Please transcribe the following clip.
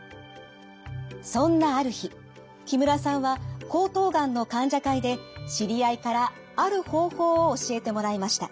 そんなある日木村さんは喉頭がんの患者会で知り合いからある方法を教えてもらいました。